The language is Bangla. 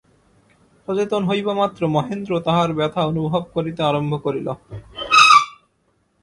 সচেতন হইবামাত্র মহেন্দ্র তাহার ব্যথা অনুভব করিতে আরম্ভ করিল।